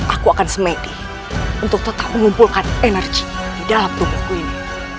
aku akan smedi untuk tetap mengumpulkan energi di dalam tubuhku ini